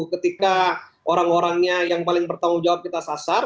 ketika orang orangnya yang paling bertanggung jawab kita sasar